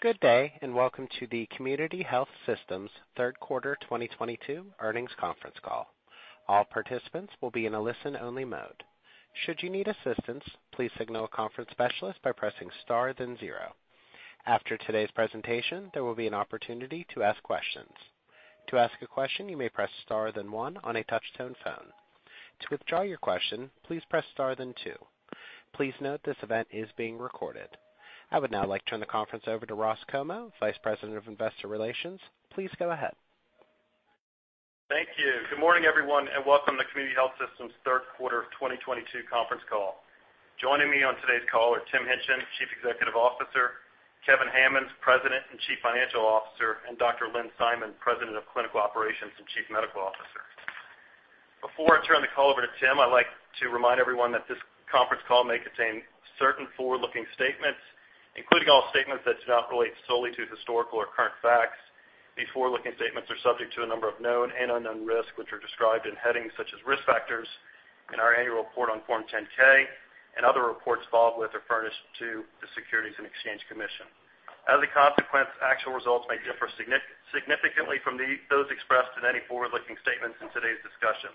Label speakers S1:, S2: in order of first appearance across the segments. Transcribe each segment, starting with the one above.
S1: Good day, and welcome to the Community Health Systems Q3 2022 Earnings Conference Call. All participants will be in a listen-only mode. Should you need assistance, please signal a conference specialist by pressing star then zero. After today's presentation, there will be an opportunity to ask questions. To ask a question, you may press star then one on a touch-tone phone. To withdraw your question, please press star then two. Please note this event is being recorded. I would now like to turn the conference over to Ross Comeaux, Vice President of Investor Relations. Please go ahead.
S2: Thank you. Good morning, everyone, and welcome to Community Health Systems Q3 of 2022 Conference Call. Joining me on today's call are Tim Hingtgen, Chief Executive Officer, Kevin Hammons, President and Chief Financial Officer, and Dr. Lynn Simon, President of Clinical Operations and Chief Medical Officer. Before I turn the call over to Tim, I'd like to remind everyone that this conference call may contain certain forward-looking statements, including all statements that do not relate solely to historical or current facts. These forward-looking statements are subject to a number of known and unknown risks, which are described in headings such as Risk Factors in our annual report on Form 10-K and other reports filed with or furnished to the Securities and Exchange Commission. As a consequence, actual results may differ significantly from those expressed in any forward-looking statements in today's discussion.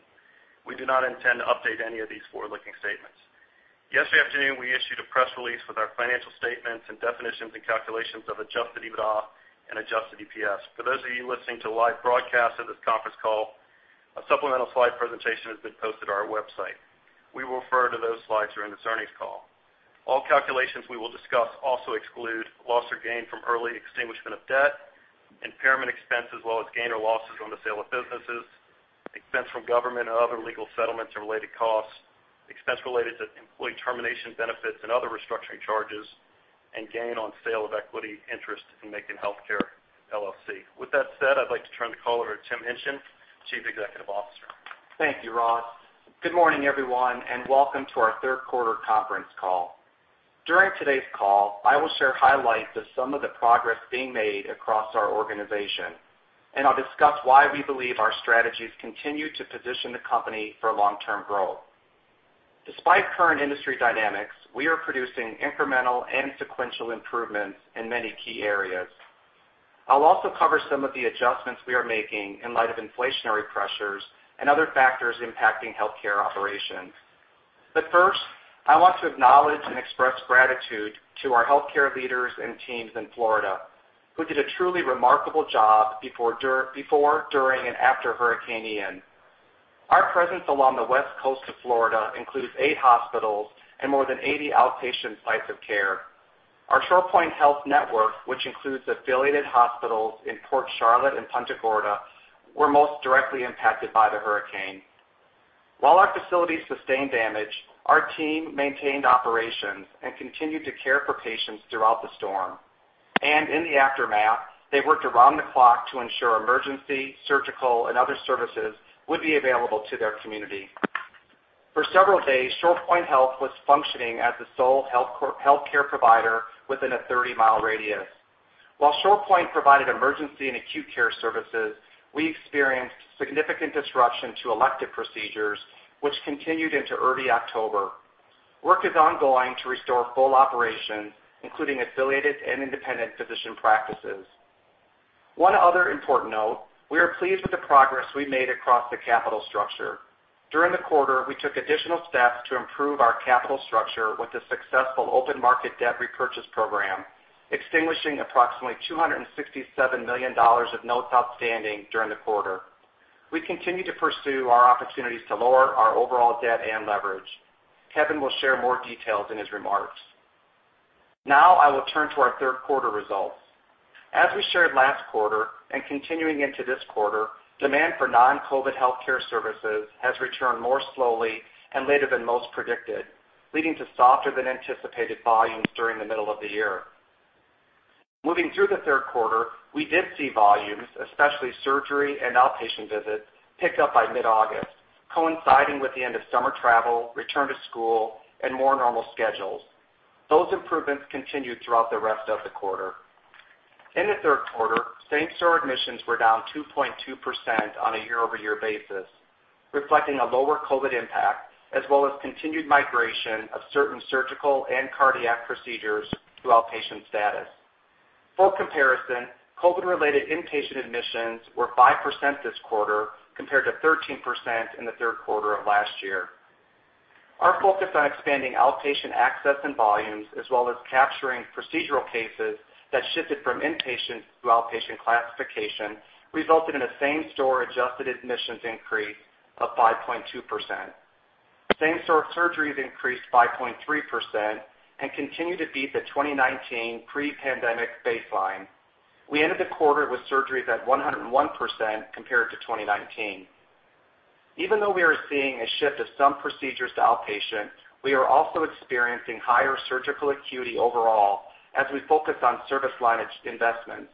S2: We do not intend to update any of these forward-looking statements. Yesterday afternoon, we issued a press release with our financial statements and definitions and calculations of Adjusted EBITDA and Adjusted EPS. For those of you listening to a live broadcast of this conference call, a supplemental slide presentation has been posted on our website. We will refer to those slides during this earnings call. All calculations we will discuss also exclude loss or gain from early extinguishment of debt, impairment expense, as well as gain or losses on the sale of businesses, expense from government and other legal settlements and related costs, expense related to employee termination benefits and other restructuring charges, and gain on sale of equity interest in Macon Healthcare LLC. With that said, I'd like to turn the call over to Tim Hingtgen, Chief Executive Officer.
S3: Thank you, Ross. Good morning, everyone, and welcome to our Q3 conference call. During today's call, I will share highlights of some of the progress being made across our organization, and I'll discuss why we believe our strategies continue to position the company for long-term growth. Despite current industry dynamics, we are producing incremental and sequential improvements in many key areas. I'll also cover some of the adjustments we are making in light of inflationary pressures and other factors impacting healthcare operations. First, I want to acknowledge and express gratitude to our healthcare leaders and teams in Florida who did a truly remarkable job before, during, and after Hurricane Ian. Our presence along the west coast of Florida includes eight hospitals and more than 80 outpatient sites of care. Our ShorePoint Health Network, which includes affiliated hospitals in Port Charlotte and Punta Gorda, were most directly impacted by the hurricane. While our facilities sustained damage, our team maintained operations and continued to care for patients throughout the storm. In the aftermath, they worked around the clock to ensure emergency, surgical, and other services would be available to their community. For several days, ShorePoint Health was functioning as the sole healthcare provider within a 30-mile radius. While ShorePoint provided emergency and acute care services, we experienced significant disruption to elective procedures, which continued into early October. Work is ongoing to restore full operations, including affiliated and independent physician practices. One other important note. We are pleased with the progress we made across the capital structure. During the quarter, we took additional steps to improve our capital structure with a successful open market debt repurchase program, extinguishing approximately $267 million of notes outstanding during the quarter. We continue to pursue our opportunities to lower our overall debt and leverage. Kevin will share more details in his remarks. Now I will turn to our Q3 results. As we shared last quarter and continuing into this quarter, demand for non-COVID healthcare services has returned more slowly and later than most predicted, leading to softer than anticipated volumes during the middle of the year. Moving through the Q3, we did see volumes, especially surgery and outpatient visits, pick up by mid-August, coinciding with the end of summer travel, return to school, and more normal schedules. Those improvements continued throughout the rest of the quarter. In the Q3, same-store admissions were down 2.2% on a year-over-year basis, reflecting a lower COVID impact, as well as continued migration of certain surgical and cardiac procedures to outpatient status. For comparison, COVID-related inpatient admissions were 5% this quarter compared to 13% in the Q3 of last year. Our focus on expanding outpatient access and volumes, as well as capturing procedural cases that shifted from inpatient to outpatient classification, resulted in a same-store adjusted admissions increase of 5.2%. Same-store surgeries increased 5.3% and continue to beat the 2019 pre-pandemic baseline. We ended the quarter with surgeries at 101% compared to 2019. Even though we are seeing a shift of some procedures to outpatient, we are also experiencing higher surgical acuity overall as we focus on service line investments.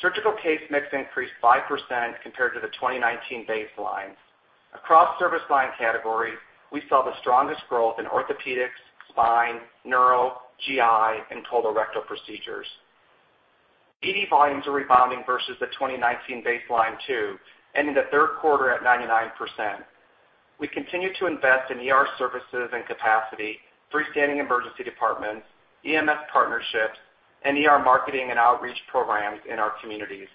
S3: Surgical case mix increased 5% compared to the 2019 baseline. Across service line categories, we saw the strongest growth in orthopedics, spine, neuro, GI, and colorectal procedures. ED volumes are rebounding versus the 2019 baseline too, ending the Q3 at 99%. We continue to invest in ER services and capacity, freestanding emergency departments, EMS partnerships, and ER marketing and outreach programs in our communities.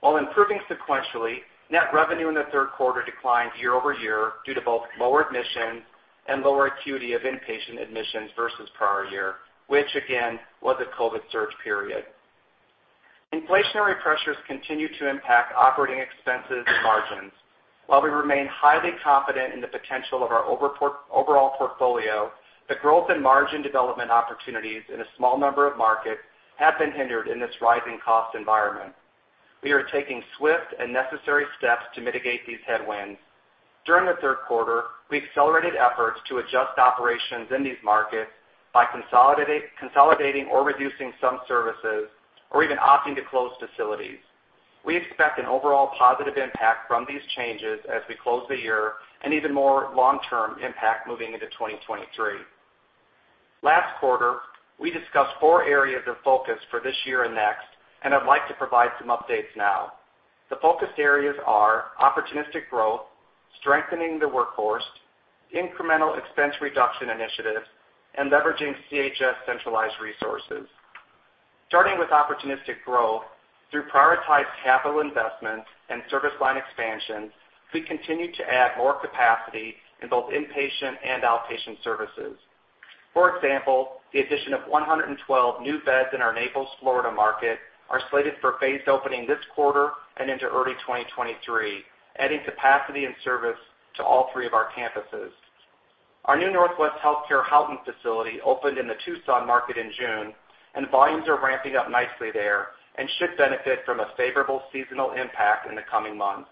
S3: While improving sequentially, net revenue in the Q3 declined year-over-year due to both lower admissions and lower acuity of inpatient admissions versus prior year, which again, was a COVID surge period. Inflationary pressures continue to impact operating expenses and margins. While we remain highly confident in the potential of our overall portfolio, the growth in margin development opportunities in a small number of markets have been hindered in this rising cost environment. We are taking swift and necessary steps to mitigate these headwinds. During the Q3, we accelerated efforts to adjust operations in these markets by consolidating or reducing some services or even opting to close facilities. We expect an overall positive impact from these changes as we close the year, and even more long-term impact moving into 2023. Last quarter, we discussed four areas of focus for this year and next, and I'd like to provide some updates now. The focus areas are opportunistic growth, strengthening the workforce, incremental expense reduction initiatives, and leveraging CHS centralized resources. Starting with opportunistic growth, through prioritized capital investments and service line expansions, we continue to add more capacity in both inpatient and outpatient services. For example, the addition of 112 new beds in our Naples, Florida market are slated for phased opening this quarter and into early 2023, adding capacity and service to all three of our campuses. Our new Northwest Medical Center Houghton facility opened in the Tucson market in June, and volumes are ramping up nicely there and should benefit from a favorable seasonal impact in the coming months.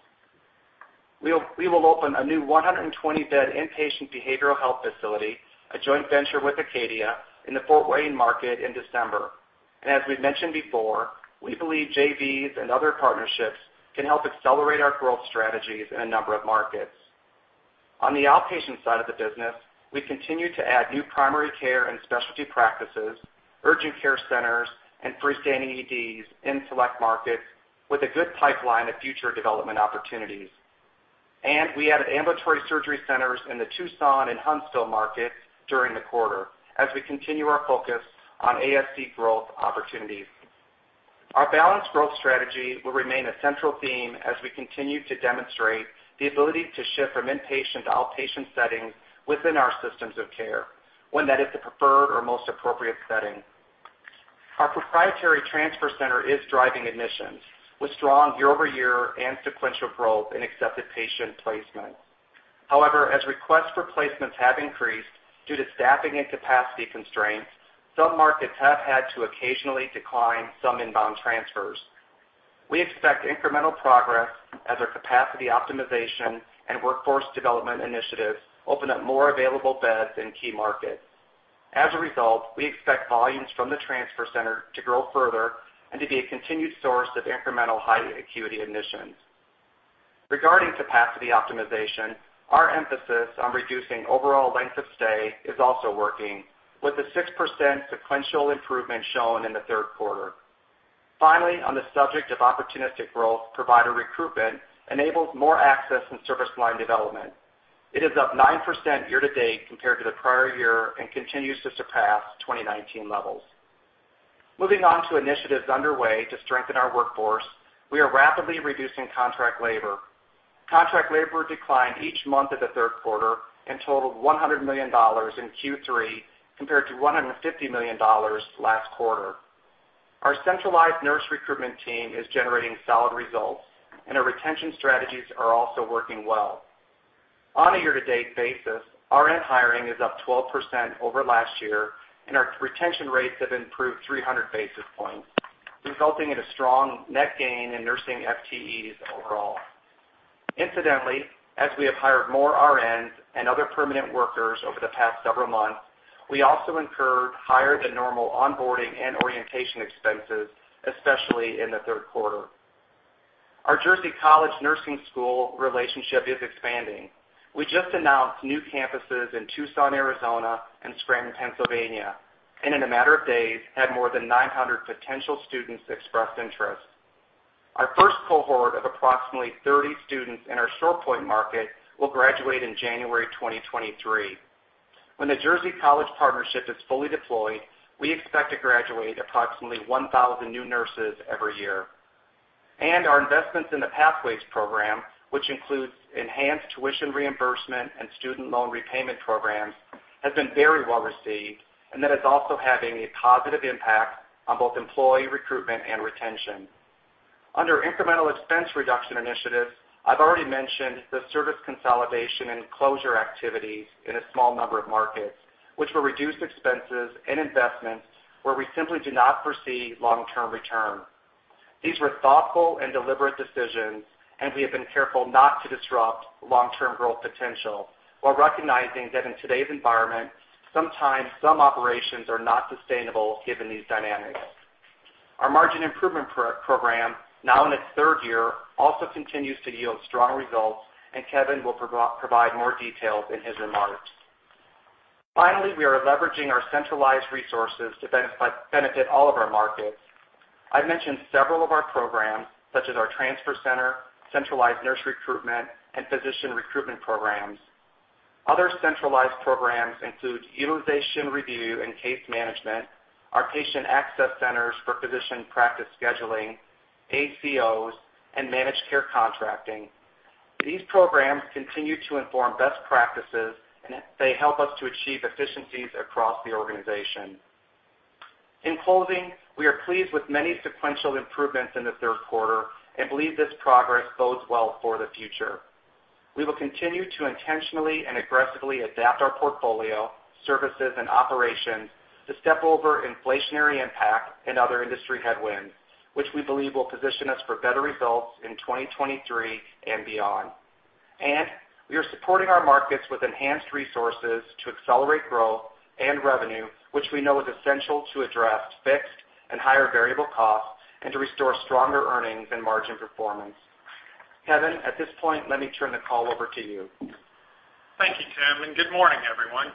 S3: We will open a new 120-bed inpatient behavioral health facility, a joint venture with Acadia, in the Fort Wayne market in December. As we've mentioned before, we believe JVs and other partnerships can help accelerate our growth strategies in a number of markets. On the outpatient side of the business, we continue to add new primary care and specialty practices, urgent care centers, and freestanding EDs in select markets with a good pipeline of future development opportunities. We added ambulatory surgery centers in the Tucson and Huntsville markets during the quarter as we continue our focus on ASC growth opportunities. Our balanced growth strategy will remain a central theme as we continue to demonstrate the ability to shift from inpatient to outpatient settings within our systems of care when that is the preferred or most appropriate setting. Our proprietary transfer center is driving admissions, with strong year-over-year and sequential growth in accepted patient placement. However, as requests for placements have increased due to staffing and capacity constraints, some markets have had to occasionally decline some inbound transfers. We expect incremental progress as our capacity optimization and workforce development initiatives open up more available beds in key markets. As a result, we expect volumes from the transfer center to grow further and to be a continued source of incremental high acuity admissions. Regarding capacity optimization, our emphasis on reducing overall length of stay is also working, with a 6% sequential improvement shown in the Q3. Finally, on the subject of opportunistic growth, provider recruitment enables more access and service line development. It is up 9% year to date compared to the prior year and continues to surpass 2019 levels. Moving on to initiatives underway to strengthen our workforce, we are rapidly reducing contract labor. Contract labor declined each month of the Q3 and totaled $100 million in Q3 compared to $150 million last quarter. Our centralized nurse recruitment team is generating solid results, and our retention strategies are also working well. On a year to date basis, RN hiring is up 12% over last year, and our retention rates have improved 300 basis points, resulting in a strong net gain in nursing FTEs overall. Incidentally, as we have hired more RNs and other permanent workers over the past several months, we also incurred higher than normal onboarding and orientation expenses, especially in the Q3. Our Jersey College Nursing School relationship is expanding. We just announced new campuses in Tucson, Arizona, and Scranton, Pennsylvania, and in a matter of days, had more than 900 potential students express interest. Our first cohort of approximately 30 students in our ShorePoint market will graduate in January 2023. When the Jersey College partnership is fully deployed, we expect to graduate approximately 1,000 new nurses every year. Our investments in the Pathways program, which includes enhanced tuition reimbursement and student loan repayment programs, has been very well received, and that it's also having a positive impact on both employee recruitment and retention. Under incremental expense reduction initiatives, I've already mentioned the service consolidation and closure activities in a small number of markets, which will reduce expenses and investments where we simply do not foresee long-term return. These were thoughtful and deliberate decisions, and we have been careful not to disrupt long-term growth potential while recognizing that in today's environment, sometimes some operations are not sustainable given these dynamics. Our margin improvement program, now in its third year, also continues to yield strong results, and Kevin will provide more details in his remarks. Finally, we are leveraging our centralized resources to benefit all of our markets. I've mentioned several of our programs, such as our transfer center, centralized nurse recruitment, and physician recruitment programs. Other centralized programs include utilization review and case management, our patient access centers for physician practice scheduling, ACOs, and managed care contracting. These programs continue to inform best practices, and they help us to achieve efficiencies across the organization. In closing, we are pleased with many sequential improvements in the Q3 and believe this progress bodes well for the future. We will continue to intentionally and aggressively adapt our portfolio, services, and operations to step over inflationary impact and other industry headwinds, which we believe will position us for better results in 2023 and beyond. We are supporting our markets with enhanced resources to accelerate growth and revenue, which we know is essential to address fixed and higher variable costs and to restore stronger earnings and margin performance. Kevin, at this point, let me turn the call over to you.
S4: Thank you, Tim, and good morning, everyone.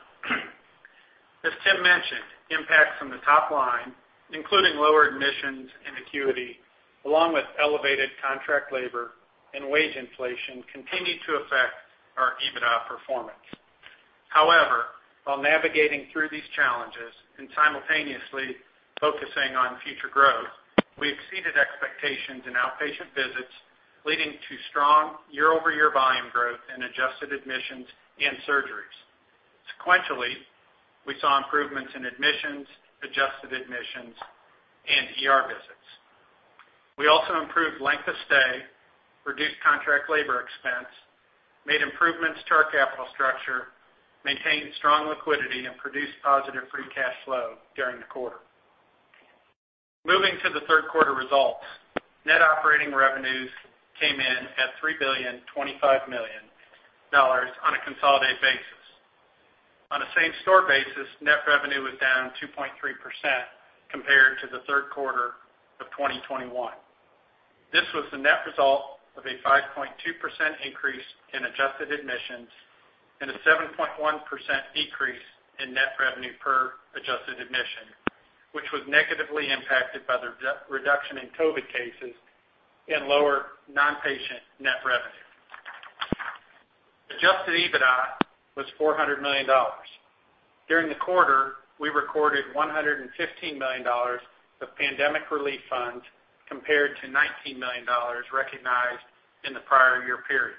S4: As Tim mentioned, impacts from the top line, including lower admissions and acuity, along with elevated contract labor and wage inflation, continued to affect our EBITDA performance. However, while navigating through these challenges and simultaneously focusing on future growth, we exceeded expectations in outpatient visits, leading to strong year-over-year volume growth in adjusted admissions and surgeries. Sequentially, we saw improvements in admissions, adjusted admissions, and ER visits. We also improved length of stay, reduced contract labor expense, made improvements to our capital structure, maintained strong liquidity, and produced positive free cash flow during the quarter. Moving to the Q3 results, net operating revenues came in at $3.025 billion on a consolidated basis. On a same-store basis, net revenue was down 2.3% compared to the Q3 of 2021. This was the net result of a 5.2% increase in adjusted admissions and a 7.1% decrease in net revenue per adjusted admission, which was negatively impacted by the reduction in COVID cases and lower non-patient net revenue. Adjusted EBITDA was $400 million. During the quarter, we recorded $115 million of pandemic relief funds, compared to $19 million recognized in the prior year period.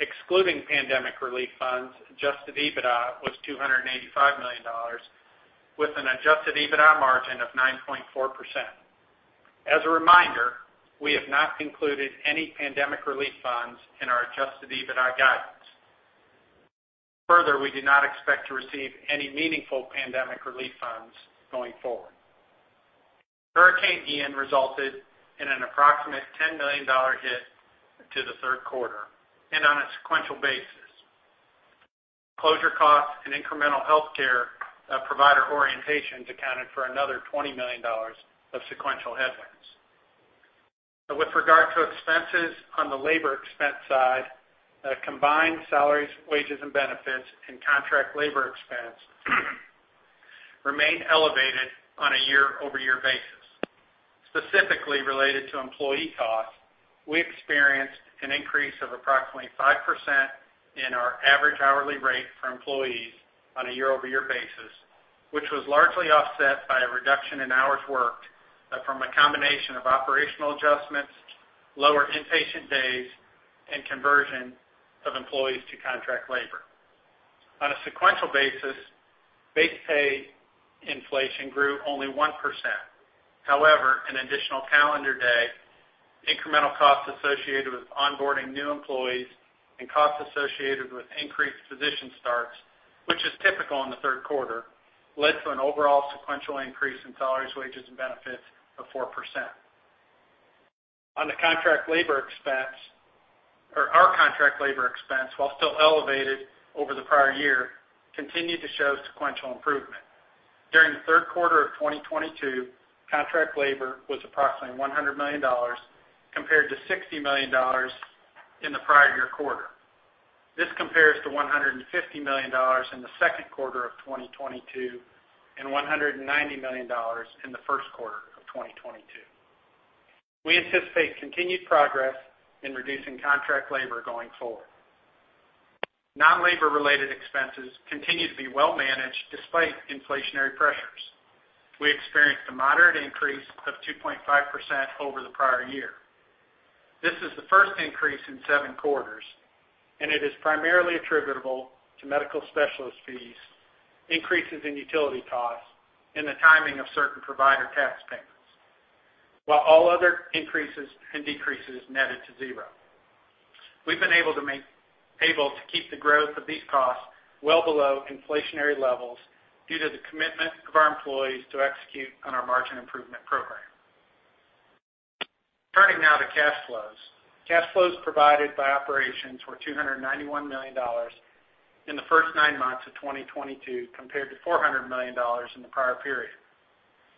S4: Excluding pandemic relief funds, adjusted EBITDA was $285 million with an adjusted EBITDA margin of 9.4%. As a reminder, we have not included any pandemic relief funds in our adjusted EBITDA guidance. Further, we do not expect to receive any meaningful pandemic relief funds going forward. Hurricane Ian resulted in an approximate $10 million hit to the Q3 and on a sequential basis. Closure costs and incremental healthcare provider orientations accounted for another $20 million of sequential headwinds. With regard to expenses on the labor expense side, combined salaries, wages, and benefits, and contract labor expense remain elevated on a year-over-year basis. Specifically related to employee costs, we experienced an increase of approximately 5% in our average hourly rate for employees on a year-over-year basis, which was largely offset by a reduction in hours worked from a combination of operational adjustments, lower inpatient days, and conversion of employees to contract labor. On a sequential basis, base pay inflation grew only 1%. However, an additional calendar day, incremental costs associated with onboarding new employees, and costs associated with increased physician starts, which is typical in the Q3, led to an overall sequential increase in salaries, wages, and benefits of 4%. On the contract labor expense, or our contract labor expense, while still elevated over the prior year, continued to show sequential improvement. During the Q3 of 2022, contract labor was approximately $100 million compared to $60 million in the prior year quarter. This compares to $150 million in the Q2 of 2022 and $190 million in the Q1 of 2022. We anticipate continued progress in reducing contract labor going forward. Non-labor related expenses continue to be well managed despite inflationary pressures. We experienced a moderate increase of 2.5% over the prior year. This is the first increase in seven quarters, and it is primarily attributable to medical specialist fees, increases in utility costs, and the timing of certain provider tax payments, while all other increases and decreases netted to zero. We've been able to keep the growth of these costs well below inflationary levels due to the commitment of our employees to execute on our margin improvement program. Turning now to cash flows. Cash flows provided by operations were $291 million in the first nine months of 2022 compared to $400 million in the prior period.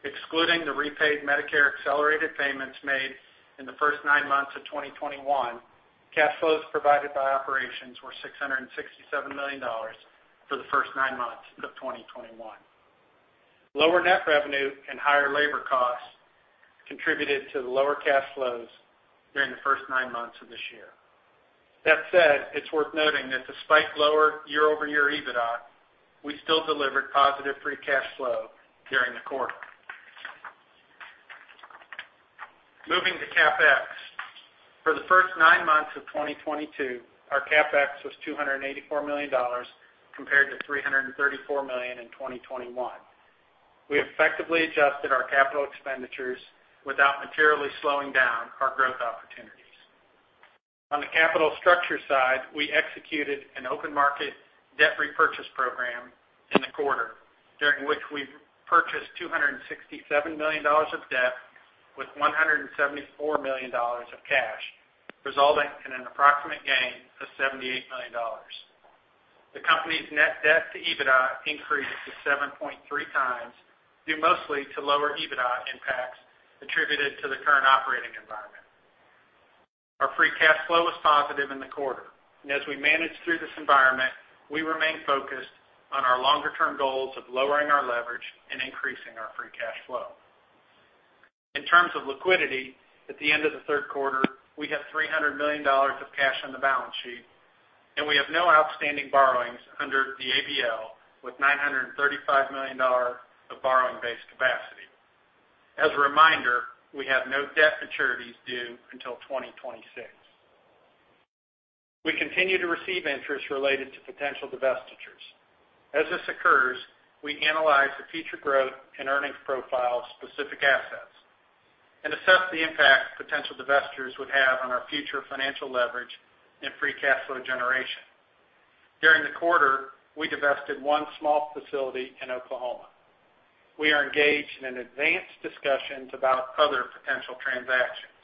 S4: Excluding the repaid Medicare accelerated payments made in the first nine months of 2021, cash flows provided by operations were $667 million for the first nine months of 2021. Lower net revenue and higher labor costs contributed to the lower cash flows during the first nine months of this year. That said, it's worth noting that despite lower year-over-year EBITDA, we still delivered positive free cash flow during the quarter. Moving to CapEx. For the first nine months of 2022, our CapEx was $284 million compared to $334 million in 2021. We effectively adjusted our capital expenditures without materially slowing down our growth opportunities. On the capital structure side, we executed an open market debt repurchase program in the quarter, during which we purchased $267 million of debt with $174 million of cash, resulting in an approximate gain of $78 million. The company's net debt to EBITDA increased to 7.3x, due mostly to lower EBITDA impacts attributed to the current operating environment. Our free cash flow was positive in the quarter. As we manage through this environment, we remain focused on our longer-term goals of lowering our leverage and increasing our free cash flow. In terms of liquidity, at the end of the Q3, we have $300 million of cash on the balance sheet, and we have no outstanding borrowings under the ABL with $935 million of borrowing-based capacity. As a reminder, we have no debt maturities due until 2026. We continue to receive interest related to potential divestitures. As this occurs, we analyze the future growth and earnings profile of specific assets and assess the impact potential divestitures would have on our future financial leverage and free cash flow generation. During the quarter, we divested one small facility in Oklahoma. We are engaged in advanced discussions about other potential transactions.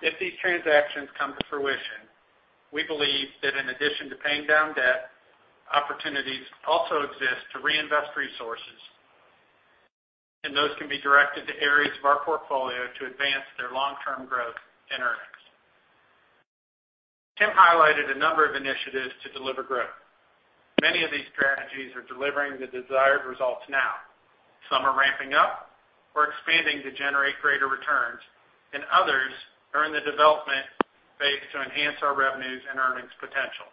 S4: If these transactions come to fruition, we believe that in addition to paying down debt, opportunities also exist to reinvest resources, and those can be directed to areas of our portfolio to advance their long-term growth and earnings. Tim highlighted a number of initiatives to deliver growth. Many of these strategies are delivering the desired results now. Some are ramping up or expanding to generate greater returns, and others are in the development phase to enhance our revenues and earnings potential.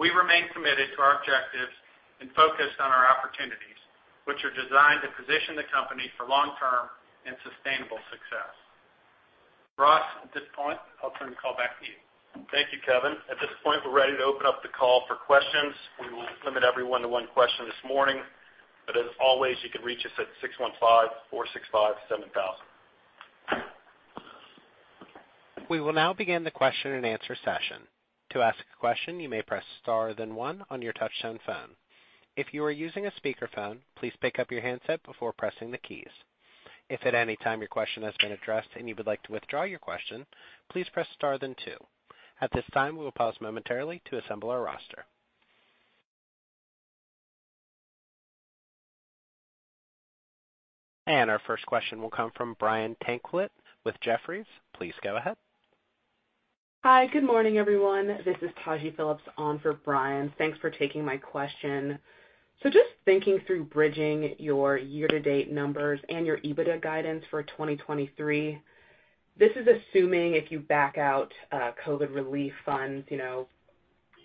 S4: We remain committed to our objectives and focused on our opportunities, which are designed to position the company for long-term and sustainable success. Ross, at this point, I'll turn the call back to you.
S2: Thank you, Kevin. At this point, we're ready to open up the call for questions. We will limit everyone to one question this morning. As always, you can reach us at 615-465-7000.
S1: We will now begin the question-and-answer session. To ask a question, you may press star then one on your touchtone phone. If you are using a speakerphone, please pick up your handset before pressing the keys. If at any time your question has been addressed and you would like to withdraw your question, please press star then two. At this time, we will pause momentarily to assemble our roster. Our first question will come from Brian Tanquilut with Jefferies. Please go ahead.
S5: Hi, good morning, everyone. This is Taji Phillips on for Brian. Thanks for taking my question. Just thinking through bridging your year-to-date numbers and your EBITDA guidance for 2023, this is assuming if you back out COVID relief funds, you know,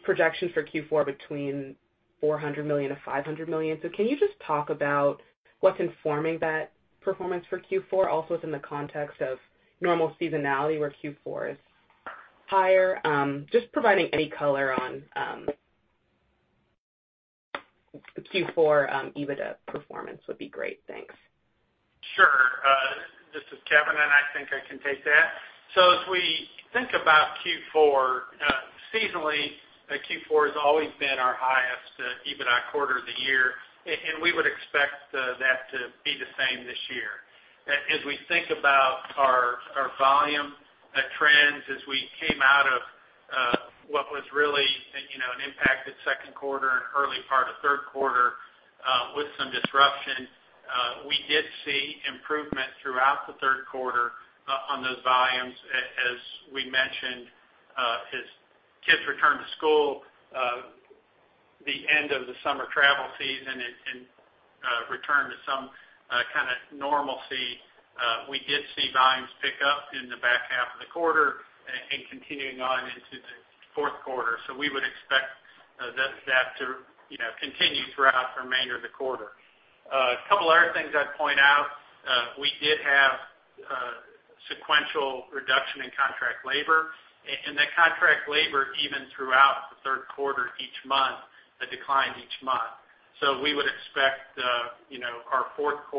S5: projection for Q4 between $400 million-$500 million. Can you just talk about what's informing that performance for Q4, also within the context of normal seasonality where Q4 is higher? Just providing any color on Q4 EBITDA performance would be great. Thanks.
S4: Sure. This is Kevin, and I think I can take that. As we think about Q4, seasonally, Q4 has always been our highest EBITDA quarter of the year, and we would expect that to be the same this year. As we think about our volume trends as we came out of what was really, you know, an impacted Q2 and early part of Q3 with some disruption, we did see improvement throughout the Q3 on those volumes. As we mentioned, as kids return to school, the end of the summer travel season and return to some kinda normalcy, we did see volumes pick up in the back half of the quarter and continuing on into the Q4. We would expect that to continue throughout the remainder of the quarter. A couple other things I'd point out. We did have sequential reduction in contract labor. And the contract labor, even throughout the Q3 each month, had declined each month. We would expect our Q4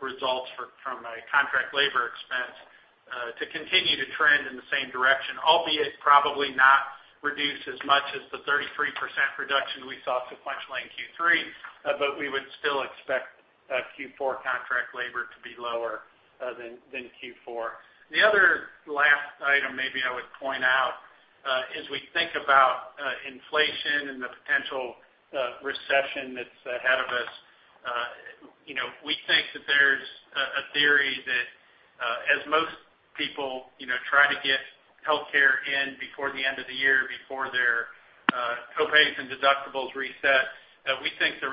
S4: results from a contract labor expense to continue to trend in the same direction, albeit probably not reduce as much as the 33% reduction we saw sequentially in Q3. We would still expect Q4 contract labor to be lower than Q4. The other last item maybe I would point out, as we think about inflation and the potential recession that's ahead of us, you know, we think that there's a theory that as most people, you know, try to get healthcare in before the end of the year, before their co-pays and deductibles reset, we think the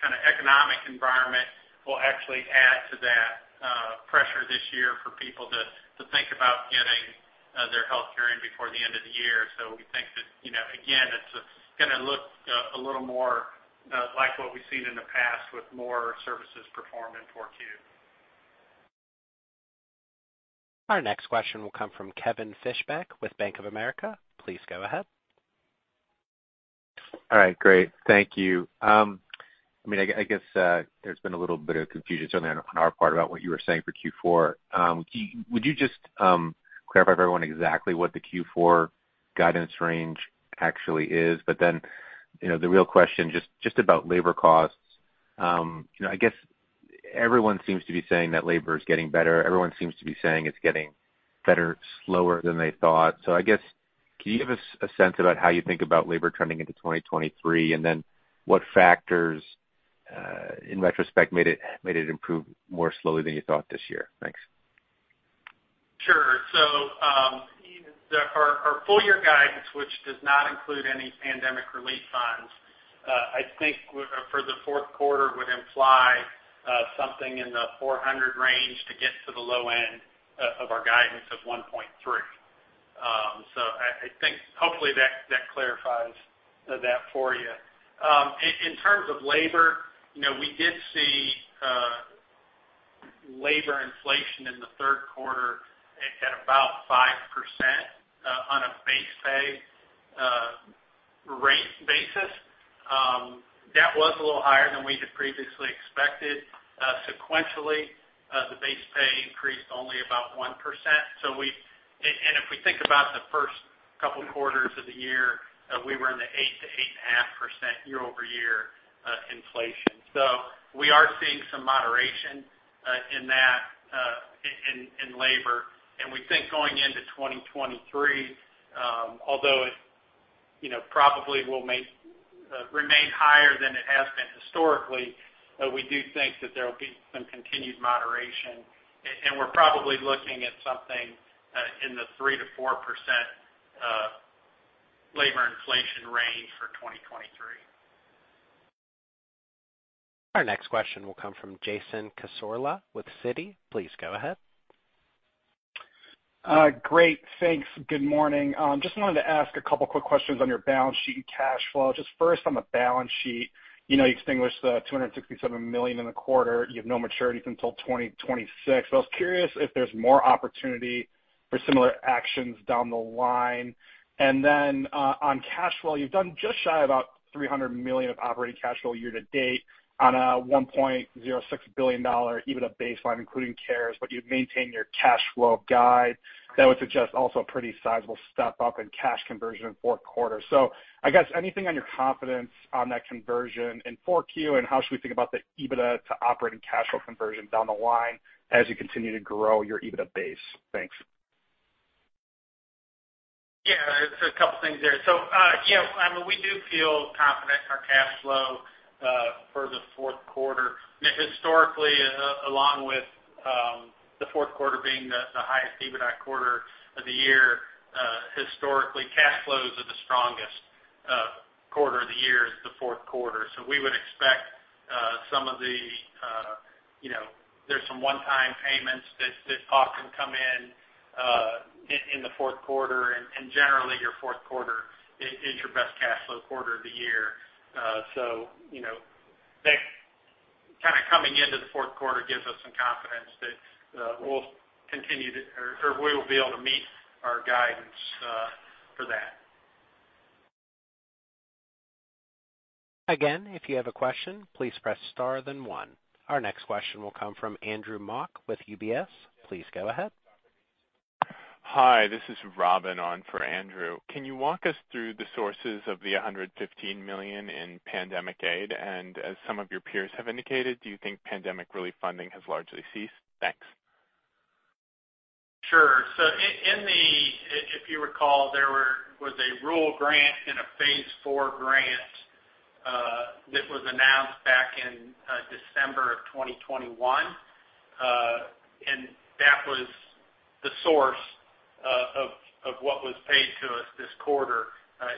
S4: kinda economic environment will actually add to that pressure this year for people to think about getting their healthcare in before the end of the year. So we think that, you know, again, it's gonna look a little more like what we've seen in the past with more services performed in Q4.
S1: Our next question will come from Kevin Fishbeck with Bank of America. Please go ahead.
S6: All right. Great. Thank you. I mean, I guess there's been a little bit of confusion, certainly on our part about what you were saying for Q4. Would you just clarify for everyone exactly what the Q4 guidance range actually is? You know, the real question, just about labor costs, you know, I guess everyone seems to be saying that labor is getting better. Everyone seems to be saying it's getting better slower than they thought. I guess, can you give us a sense about how you think about labor trending into 2023? What factors, in retrospect made it improve more slowly than you thought this year? Thanks.
S4: Sure. Our full year guidance, which does not include any pandemic relief funds, I think for the Q4 would imply something in the $400 range to get to the low end of our guidance of $1.3. I think hopefully that clarifies that for you. In terms of labor, you know, we did see labor inflation in the Q3 at about 5% on a base pay rate basis. That was a little higher than we had previously expected. Sequentially, the base pay increased only about 1%. If we think about the first couple quarters of the year, we were in the 8%-8.5% year-over-year inflation. We are seeing some moderation in labor. We think going into 2023, although it, you know, probably remain higher than it has been historically, we do think that there will be some continued moderation. We're probably looking at something in the 3%-4% labor inflation range for 2023.
S1: Our next question will come from Jason Cassorla with Citi. Please go ahead.
S7: Great. Thanks. Good morning. Just wanted to ask a couple of quick questions on your balance sheet and cash flow. Just first on the balance sheet, you know, you extinguished the $267 million in the quarter. You have no maturities until 2026. So I was curious if there's more opportunity for similar actions down the line. On cash flow, you've done just shy about $300 million of operating cash flow year to date on a $1.06 billion EBITDA baseline, including CARES, but you've maintained your cash flow guide. That would suggest also a pretty sizable step up in cash conversion in Q4. I guess anything on your confidence on that conversion in Q4, and how should we think about the EBITDA to operating cash flow conversion down the line as you continue to grow your EBITDA base? Thanks.
S4: Yeah. There's a couple things there. Yeah, I mean, we do feel confident in our cash flow for the Q4. I mean, historically, along with the Q4 being the highest EBITDA quarter of the year, historically, cash flows are the strongest quarter of the year is the Q4. We would expect some of the, you know, there's some one-time payments that often come in in the Q4, and generally, your Q4, is your best cash flow quarter of the year. You know, that kinda coming into the Q4 gives us some confidence that we'll continue to. Or we will be able to meet our guidance for that.
S1: Again, if you have a question, please press star then one. Our next question will come from Andrew Mok with UBS. Please go ahead.
S8: Hi, this is Robin on for Andrew. Can you walk us through the sources of the $115 million in pandemic aid? As some of your peers have indicated, do you think pandemic relief funding has largely ceased? Thanks.
S4: Sure. If you recall, there was a rural grant and a phase four grant that was announced back in December of 2021. That was the source of what was paid to us this quarter.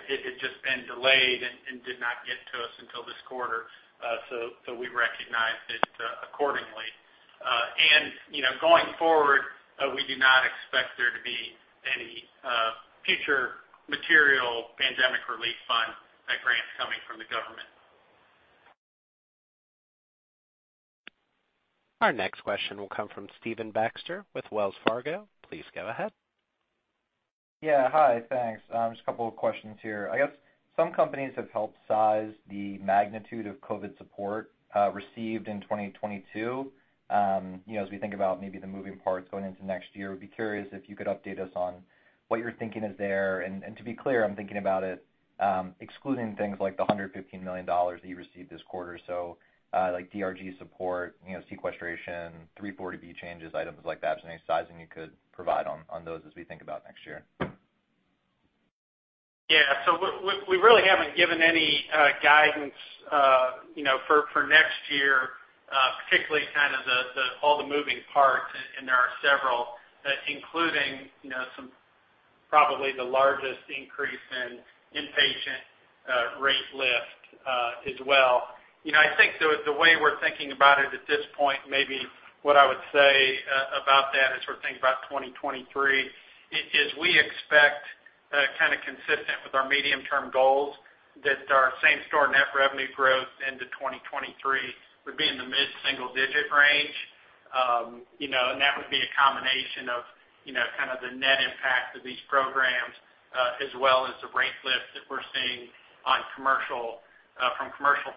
S4: It had just been delayed and did not get to us until this quarter, so we recognized it accordingly. You know, going forward, we do not expect there to be any future material pandemic relief fund grants coming from the government.
S1: Our next question will come from Stephen Baxter with Wells Fargo. Please go ahead.
S9: Yeah. Hi, thanks. Just a couple of questions here. I guess some companies have helped size the magnitude of COVID support received in 2022. You know, as we think about maybe the moving parts going into next year, I'd be curious if you could update us on what your thinking is there. To be clear, I'm thinking about it excluding things like the $115 million that you received this quarter. Like DRG support, you know, sequestration, 340B changes, items like that, just any sizing you could provide on those as we think about next year.
S4: We really haven't given any guidance, you know, for next year, particularly kind of the all the moving parts, and there are several, including, you know, some probably the largest increase in inpatient rate lift, as well. You know, I think the way we're thinking about it at this point, maybe what I would say about that as we're thinking about 2023 is we expect, kinda consistent with our medium-term goals that our same-store net revenue growth into 2023 would be in the mid-single digit range. You know, that would be a combination of, you know, kind of the net impact of these programs, as well as the rate lift that we're seeing on commercial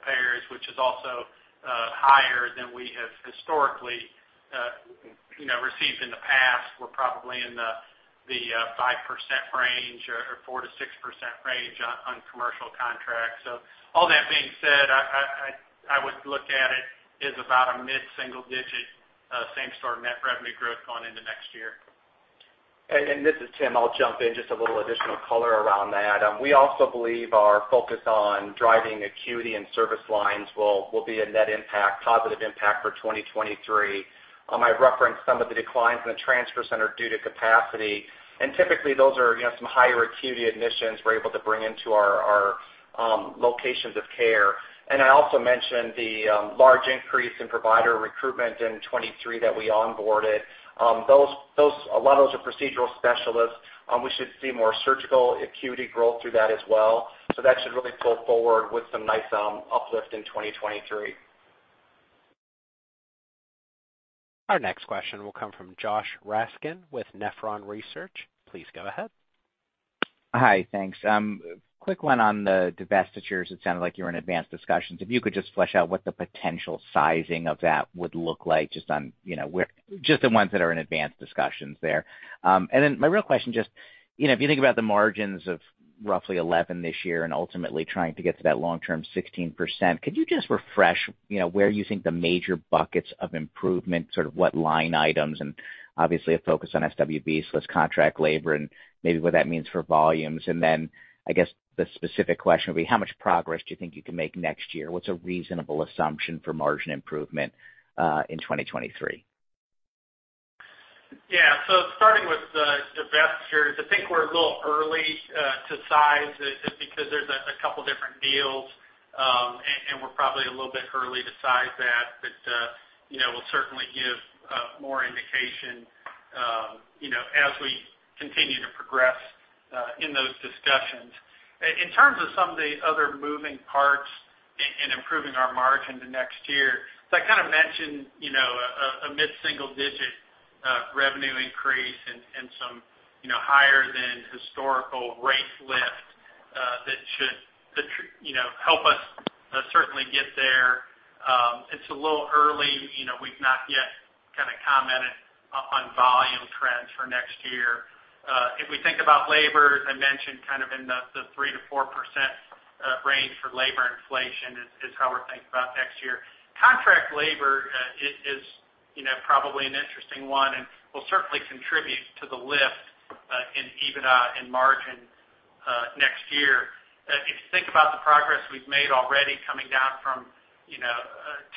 S4: payers, which is also higher than we have historically, you know, received in the past. We're probably in the 5% range or 4%-6% range on commercial contracts. All that being said, I would look at it as about a mid-single digit same-store net revenue growth going into next year.
S3: This is Tim. I'll jump in, just a little additional color around that. We also believe our focus on driving acuity and service lines will be a net impact, positive impact for 2023. I referenced some of the declines in the transfer center due to capacity, and typically those are, you know, some higher acuity admissions we're able to bring into our locations of care. I also mentioned the large increase in provider recruitment in 2023 that we onboarded. Those, a lot of those are procedural specialists. We should see more surgical acuity growth through that as well. That should really pull forward with some nice uplift in 2023.
S1: Our next question will come from Josh Raskin with Nephron Research. Please go ahead.
S10: Hi, thanks. Quick one on the divestitures. It sounded like you were in advanced discussions. If you could just flesh out what the potential sizing of that would look like just on, you know, just the ones that are in advanced discussions there. Then my real question just, you know, if you think about the margins of roughly 11% this year and ultimately trying to get to that long-term 16%, could you just refresh, you know, where you think the major buckets of improvement, sort of what line items and obviously a focus on SWB, so less contract labor and maybe what that means for volumes. Then I guess the specific question would be how much progress do you think you can make next year? What's a reasonable assumption for margin improvement in 2023?
S4: Starting with the divestitures, I think we're a little early to size it just because there's a couple different deals, and we're probably a little bit early to size that. You know, we'll certainly give more indication, you know, as we continue to progress in those discussions. In terms of some of the other moving parts in improving our margin to next year, I kind of mentioned, you know, a mid-single digit revenue increase and some, you know, higher than historical rate lift that should, you know, help us certainly get there. It's a little early. You know, we've not yet kind of commented on volume trends for next year. If we think about labor, as I mentioned, kind of in the 3%-4% range for labor inflation is how we're thinking about next year. Contract labor is, you know, probably an interesting one and will certainly contribute to the lift in EBITDA and margin next year. If you think about the progress we've made already coming down from, you know,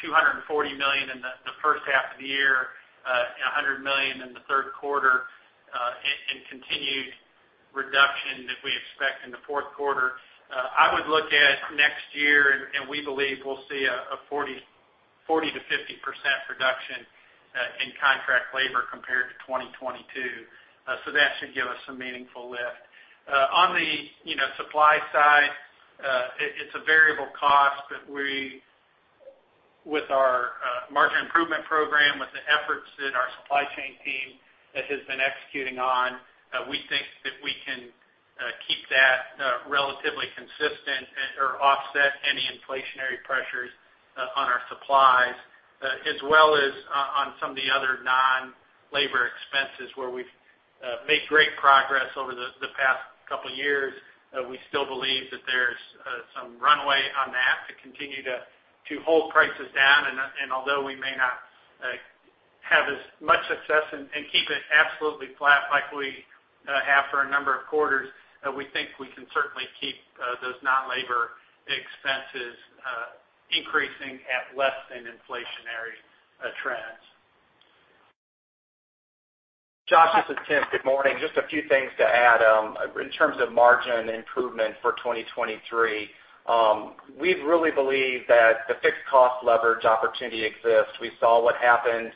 S4: $240 million in the first half of the year, $100 million in the Q3, and continued reduction that we expect in the fourth quarter, I would look at next year, and we believe we'll see a 40%-50% reduction in contract labor compared to 2022. That should give us some meaningful lift. On the, you know, supply side, it's a variable cost that we, with our margin improvement program, with the efforts that our supply chain team has been executing on, we think that we can keep that relatively consistent or offset any inflationary pressures on our supplies, as well as on some of the other non-labor expenses where we've made great progress over the past couple years. We still believe that there's some runway on that to continue to hold prices down. Although we may not have as much success and keep it absolutely flat like we have for a number of quarters, we think we can certainly keep those non-labor expenses increasing at less than inflationary trends.
S3: Josh, this is Tim. Good morning. Just a few things to add. In terms of margin improvement for 2023, we really believe that the fixed cost leverage opportunity exists. We saw what happened,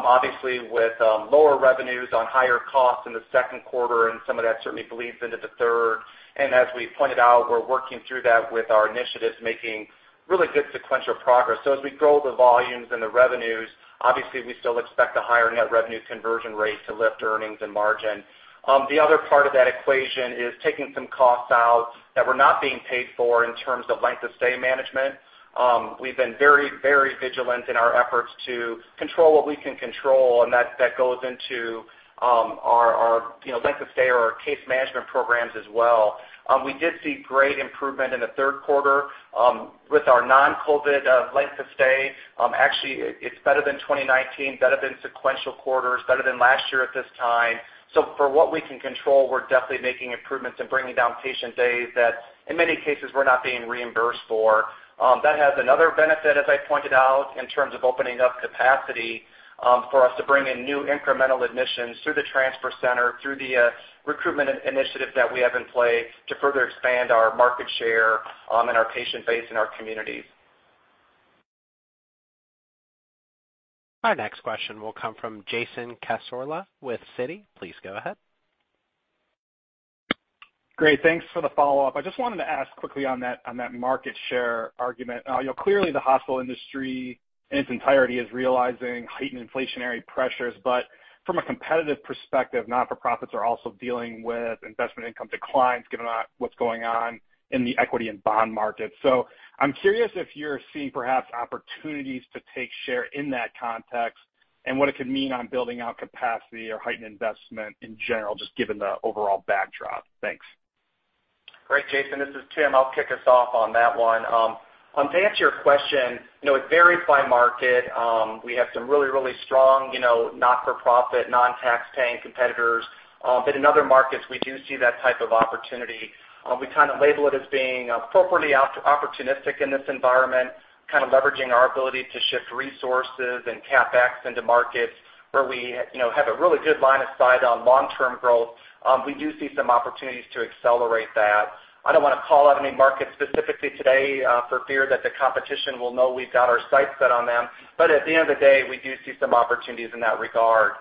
S3: obviously with lower revenues on higher costs in the second quarter, and some of that certainly bleeds into the third. As we pointed out, we're working through that with our initiatives, making really good sequential progress. As we grow the volumes and the revenues, obviously we still expect a higher net revenue conversion rate to lift earnings and margin. The other part of that equation is taking some costs out that were not being paid for in terms of length of stay management. We've been very, very vigilant in our efforts to control what we can control, and that goes into our, you know, length of stay or our case management programs as well. We did see great improvement in the Q3 with our non-COVID length of stay, actually it's better than 2019, better than sequential quarters, better than last year at this time. For what we can control, we're definitely making improvements and bringing down patient days that in many cases we're not being reimbursed for. That has another benefit, as I pointed out, in terms of opening up capacity for us to bring in new incremental admissions through the transfer center, through the recruitment initiative that we have in play to further expand our market share and our patient base in our communities.
S1: Our next question will come from Jason Cassorla with Citi. Please go ahead.
S7: Great. Thanks for the follow-up. I just wanted to ask quickly on that, on that market share argument. You know, clearly the hospital industry in its entirety is realizing heightened inflationary pressures. From a competitive perspective, not-for-profits are also dealing with investment income declines given what's going on in the equity and bond market. I'm curious if you're seeing perhaps opportunities to take share in that context and what it could mean on building out capacity or heightened investment in general, just given the overall backdrop. Thanks.
S3: Great, Jason. This is Tim. I'll kick us off on that one. To answer your question, you know, it varies by market. We have some really strong, you know, not-for-profit, non-taxpaying competitors. In other markets, we do see that type of opportunity. We kind of label it as being appropriately opportunistic in this environment, kind of leveraging our ability to shift resources and CapEx into markets where we, you know, have a really good line of sight on long-term growth. We do see some opportunities to accelerate that. I don't wanna call out any markets specifically today, for fear that the competition will know we've got our sights set on them. At the end of the day, we do see some opportunities in that regard.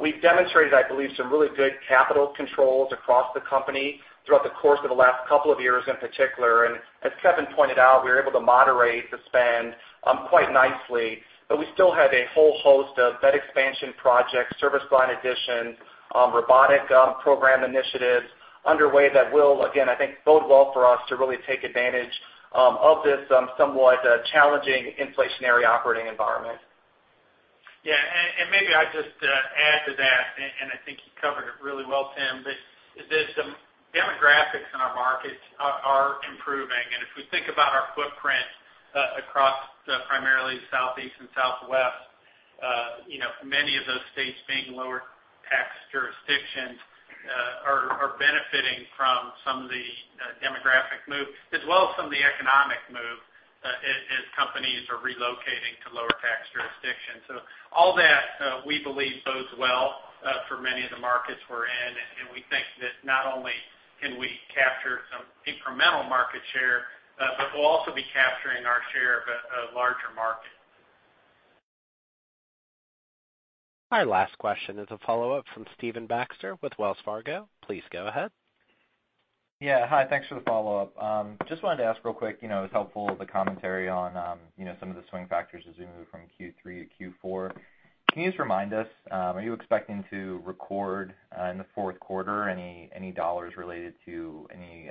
S3: We've demonstrated, I believe, some really good capital controls across the company throughout the course of the last couple of years, in particular. As Kevin pointed out, we were able to moderate the spend quite nicely. We still had a whole host of bed expansion projects, service line additions, robotic program initiatives underway that will, again, I think, bode well for us to really take advantage of this somewhat challenging inflationary operating environment.
S4: Yeah. Maybe I just add to that, I think you covered it really well, Tim. The demographics in our markets are improving. If we think about our footprint across the primarily Southeast and Southwest, many of those states being lower tax jurisdictions are benefiting from some of the demographic move as well as some of the economic move as companies are relocating to lower tax jurisdictions. All that we believe bodes well for many of the markets we're in. We think that not only can we capture some incremental market share but we'll also be capturing our share of a larger market.
S1: Our last question is a follow-up from Stephen Baxter with Wells Fargo. Please go ahead.
S9: Yeah. Hi. Thanks for the follow-up. Just wanted to ask real quick, you know, it was helpful, the commentary on, you know, some of the swing factors as we move from Q3 to Q4. Can you just remind us, are you expecting to record in the fourth quarter any dollars related to any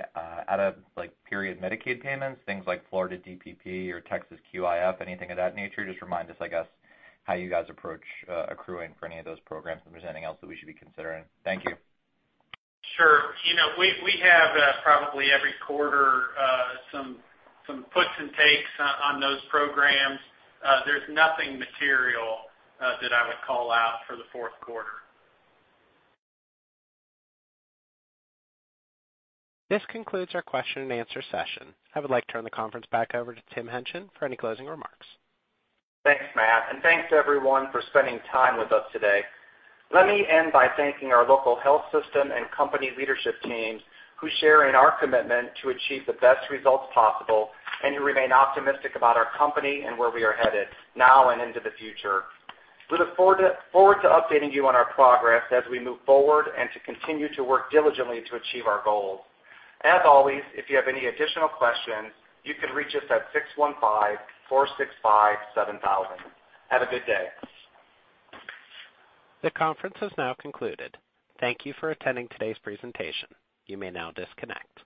S9: out-of-period Medicaid payments, things like Florida DPP or Texas QIPP, anything of that nature? Just remind us, I guess, how you guys approach accruing for any of those programs, and if there's anything else that we should be considering. Thank you.
S4: Sure. You know, we have probably every quarter some puts and takes on those programs. There's nothing material that I would call out for the Q4.
S1: This concludes our question-and-answer session. I would like to turn the conference back over to Tim Hingtgen for any closing remarks.
S3: Thanks, Matt. Thanks everyone for spending time with us today. Let me end by thanking our local health system and company leadership teams who share in our commitment to achieve the best results possible and who remain optimistic about our company and where we are headed now and into the future. We look forward to updating you on our progress as we move forward and to continue to work diligently to achieve our goals. As always, if you have any additional questions, you can reach us at 615-465-7000. Have a good day.
S1: The conference has now concluded. Thank you for attending today's presentation. You may now disconnect.